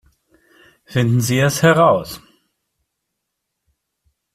Finden Sie es heraus